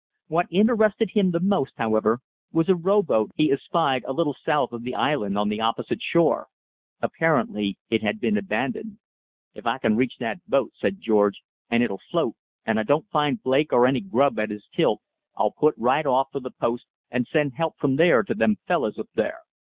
What interested him the most, however, was a row boat he espied a little south of the island on the opposite shore. Apparently it had been abandoned. "If can reach that boat," said George, "and it'll float and I don't find Blake or any grab at his tilt, I'll put right off for the post, and send help from there to them fellus up there."